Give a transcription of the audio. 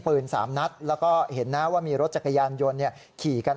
สามนัดแล้วก็เห็นนะว่ามีรถจักรยานยนต์ขี่กัน